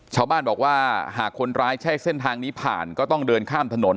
ชาวบ้านบอกว่าหากคนร้ายใช้เส้นทางนี้ผ่านก็ต้องเดินข้ามถนน